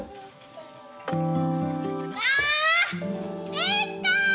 できた！